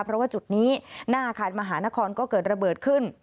เพราะว่าจุดนี้หน้าอาคารมหานครก็เกิดระเบิดขึ้น